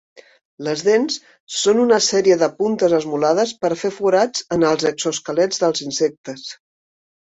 Les dents són una sèrie de puntes esmolades per fer forats en els exoesquelets dels insectes.